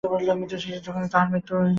শিশির যখন কোলে তখন তাহার মার মৃত্যু হয়।